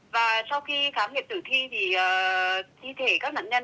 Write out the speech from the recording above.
và sau khi khám nghiệm tử thi thì thi thể các nạn nhân